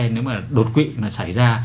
nếu mà đột quỵ xảy ra